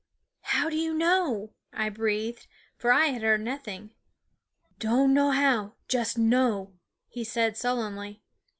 " How do you know ?" I breathed ; for I had heard nothing. " Don' know how; just know," he said sul lenly.